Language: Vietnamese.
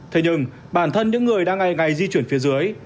thế nhưng bản thân những người đang ngay ngay di chuyển phía dưới